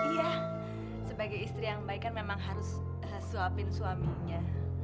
iya sebagai istri yang baik kan memang harus suapin suaminya